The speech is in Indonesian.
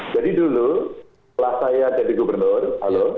jadi dulu setelah saya jadi gubernur halo